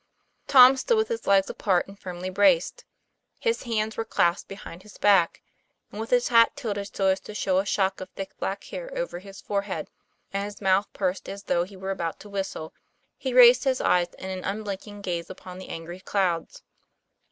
Tom stood with his legs apart and firmly braced. His hands were clasped behind his back; and with his hat tilted so as to show a shock of thick black hair over his forehead, and his mouth pursed as though he were about to whistle, he raised his eyes in an unblinking gaze upon the angry clouds.